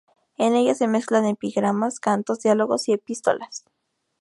En ella se mezclan epigramas, cantos, diálogos y epístolas.